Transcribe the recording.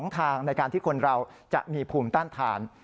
ทางในการที่คนเราจะมีภูมิต้านทาน